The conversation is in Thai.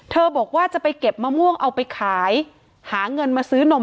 บอกว่าจะไปเก็บมะม่วงเอาไปขายหาเงินมาซื้อนม